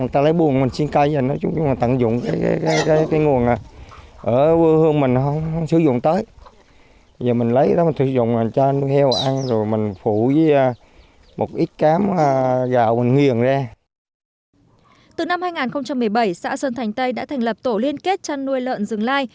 từ năm hai nghìn một mươi bảy xã sơn thành tây đã thành lập tổ liên kết chăn nuôi lợn rừng lai